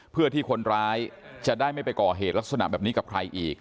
เพื่อที่คนร้ายจะได้ไม่ไปก่อเหตุลักษณะแบบนี้กับใครอีก